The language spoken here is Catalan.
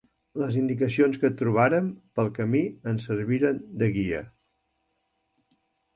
Les indicacions que trobàrem pel camí ens serviren de guia.